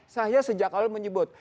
saya sejak kalau menyebut